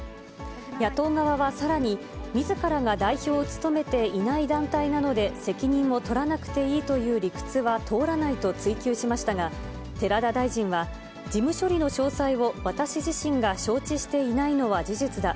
野党側はさらにみずからが代表を務めていない団体なので、責任を取らなくていいという理屈は通らないと追及しましたが、寺田大臣は、事務処理の詳細を私自身が承知していないのは事実だ。